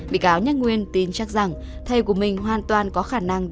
vị cáo nhất nguyên tin chắc rằng thầy của mình hoàn toàn